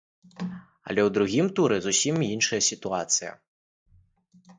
Але ў другім туры зусім іншая сітуацыя.